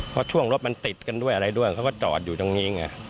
เพราะช่วงรถมันติดกันด้วยอะไรด้วยเขาก็จอดอยู่ตรงนี้ไง